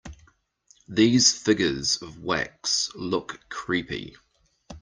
These figures of wax look creepy.